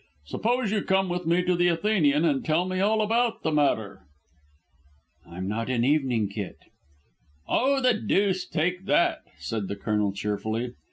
"Suppose you come with me to the Athenian and tell me all about the matter." "I'm not in evening kit." "Oh, the deuce take that," said the Colonel cheerfully.